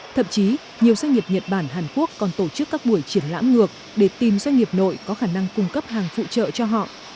thậm chí nhiều doanh nghiệp nhật bản hàn quốc còn tổ chức các buổi triển lãm ngược để tìm doanh nghiệp nội có khả năng cung cấp hàng phụ trợ cho họ